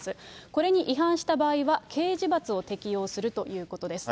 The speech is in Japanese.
これに違反した場合は、刑事罰を適用するということです。